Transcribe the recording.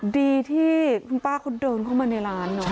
ดีที่คุณป้าเขาเดินเข้ามาในร้านเนอะ